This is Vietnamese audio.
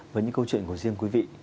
với những câu chuyện của riêng quý vị